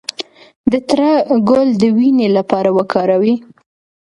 د تره ګل د وینې لپاره وکاروئ